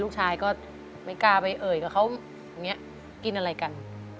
ลูกชายก็ไม่กล้าไปเอ่ยกับเขาอย่างนี้กินอะไรกัน